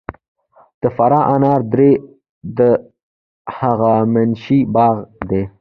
د فراه انار درې د هخامنشي باغ دی